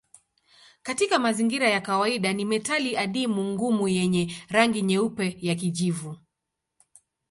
Katika mazingira ya kawaida ni metali adimu ngumu yenye rangi nyeupe ya kijivu.